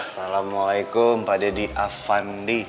assalamualaikum pak deddy afandi